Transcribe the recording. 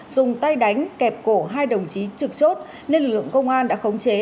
dùng tay đánh kẹp cổ hai đồng chí trực chốt nên lực lượng công an đã khống chế